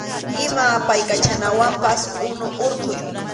Ima apaykachanawanpas unu hurquy.